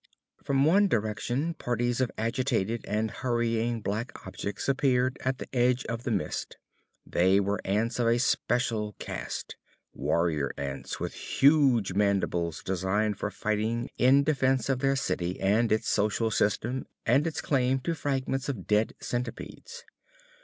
From one direction parties of agitated and hurrying black objects appeared at the edge of the mist. They were ants of a special caste, warrior ants with huge mandibles designed for fighting in defense of their city and its social system and its claim to fragments of dead centipedes.